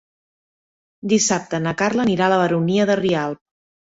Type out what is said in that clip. Dissabte na Carla anirà a la Baronia de Rialb.